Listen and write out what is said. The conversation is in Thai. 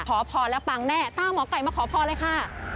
ขอพรแล้วปังแน่ตามหมอไก่มาขอพรเลยค่ะ